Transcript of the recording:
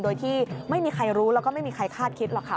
โดยที่ไม่มีใครรู้แล้วก็ไม่มีใครคาดคิดหรอกค่ะ